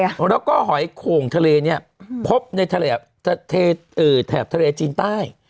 แล้วก็หอยโข่งทะเลเนี่ยพบในทะเลแถบทะเลจีนใต้